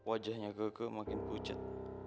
wajahnya keke makin pucat